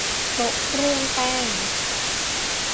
โต๊ะเครื่องแป้ง